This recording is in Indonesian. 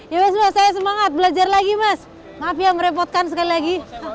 ya mas mas saya semangat belajar lagi mas maaf ya merepotkan sekali lagi